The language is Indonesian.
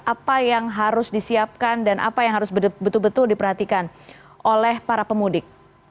apa yang harus disiapkan dan apa yang harus betul betul diperhatikan oleh para pemudik